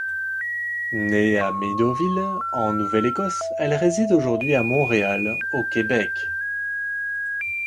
Née à Meadowville, en Nouvelle-Écosse, elle réside aujourd'hui à Montréal, au Québec.